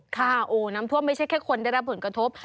ค่ะโอ้น้ำท่วมไม่ใช่แค่คนได้รับผลกระทบ